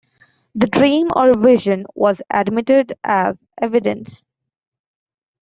The dream or vision was admitted as evidence.